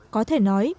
có thể nói